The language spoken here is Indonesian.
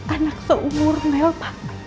anak seumur mel pak